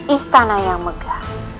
istana yang megah